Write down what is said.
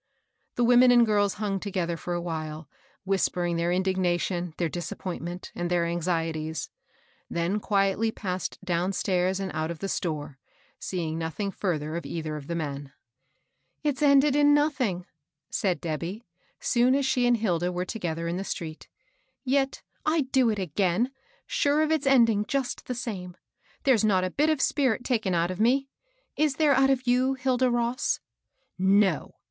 The women and girls hung together for a while, whispering their indignation, their disap pointment, and their anxieties ; then quietly passed downstairs and out of the store, seeing nothing fiirther of either of the men. THE "STRIKE." 171 " It's ended in nothing I " said Debby, soon as slie and Hilda were together in the street, '' Yet I'd do it again, sare of its ending just the same. There's not a bit of spirit taken out of me ; is there out of you, Hilda Ross ?"" No